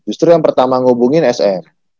dua ribu sembilan itu justru yang pertama ngubungin sm